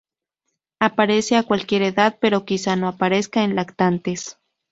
Aparece a cualquier edad pero quizá no aparezca en lactantes.